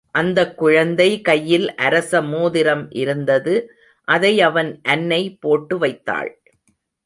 அந்தக் குழந்தை கையில் அரச மோதிரம் இருந்தது அதை அவன் அன்னை போட்டு வைத்தாள்.